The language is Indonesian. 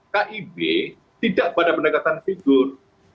kib tidak pada pendekatan figur